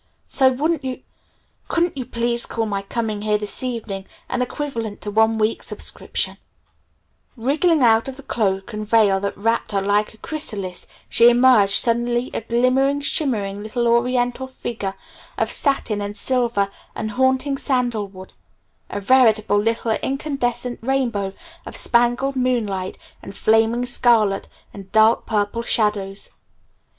So wouldn't you couldn't you please call my coming here this evening an equivalent to one week's subscription?" [Illustration: "Oh! Don't I look gorgeous!" she stammered] Wriggling out of the cloak and veil that wrapped her like a chrysalis she emerged suddenly a glimmering, shimmering little oriental figure of satin and silver and haunting sandalwood a veritable little incandescent rainbow of spangled moonlight and flaming scarlet and dark purple shadows.